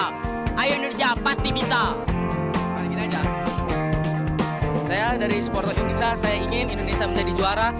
saya dari supporter indonesia saya ingin indonesia menjadi juara